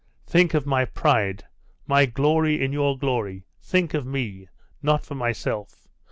'Think of my pride my glory in your glory; think of me.... Not for myself!